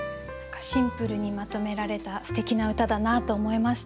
シンプルにまとめられたすてきな歌だなと思いました。